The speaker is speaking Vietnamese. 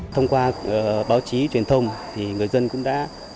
thông qua báo chí truyền thông thì người dân cũng đã